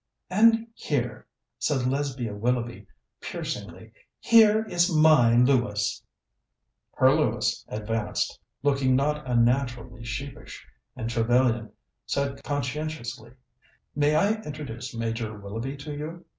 "And here," said Lesbia Willoughby piercingly "here is my Lewis." Her Lewis advanced, looking not unnaturally sheepish, and Trevellyan said conscientiously: "May I introduce Major Willoughby to you?